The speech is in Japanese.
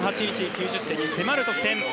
９０点に迫る得点。